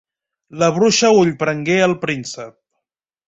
La bruixa ullprengué el príncep.